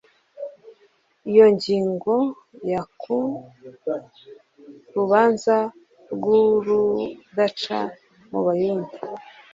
Iyo ngingo yaknnu-aga ruubanza rw'urudaca mu Bayuda.